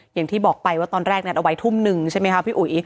อย่างที่บอกไปว่าตอนแรกนัดเอาไว้ทุ่มหนึ่งใช่ไหมคะพี่อุ๋ย